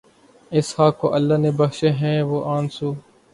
اس خاک کو اللہ نے بخشے ہیں وہ آنسو